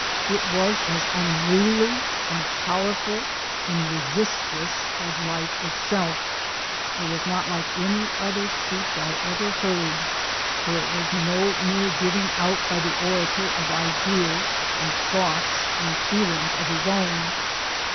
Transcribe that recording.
It was as unruly and powerful and resistless as life itself. It was not like any other speech I ever heard, for it was no mere giving out by the orator of ideas and thoughts and feelings of his own.